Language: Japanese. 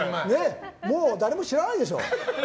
もう、誰も知らないでしょう。